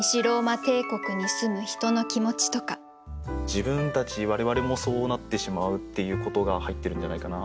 自分たち我々もそうなってしまうっていうことが入ってるんじゃないかな。